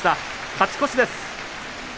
勝ち越しです。